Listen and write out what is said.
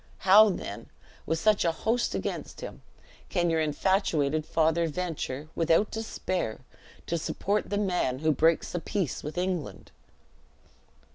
How, then, with such a host against him, can your infatuated father venture, without despair, to support the man who breaks the peace with England?"